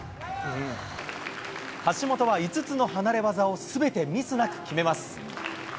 橋本は５つの離れ技を、すべてミスなく決めます。